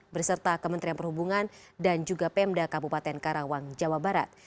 berserta kementerian perhubungan dan juga pemda kabupaten karawang jawa barat